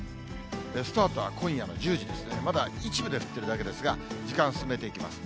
スタートは今夜の１０時ですね、まだ一部で降ってるだけですが、時間進めていきます。